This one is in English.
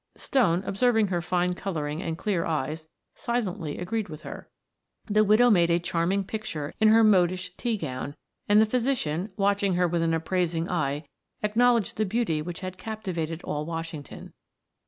Stone, observing her fine coloring and clear eyes, silently agreed with her. The widow made a charming picture in her modish tea gown, and the physician, watching her with an appraising eye, acknowledged the beauty which had captivated all Washington.